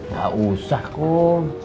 gak usah kang